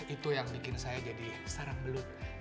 itu yang bikin saya jadi sarang belut